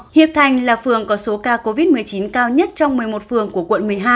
hiệp thành là phường có số ca covid một mươi chín cao nhất trong một mươi một phường của quận một mươi hai